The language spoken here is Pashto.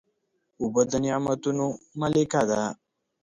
اوبه د نعمتونو ملکه ده.